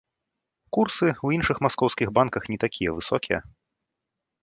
Курсы ў іншых маскоўскіх банках не такія высокія.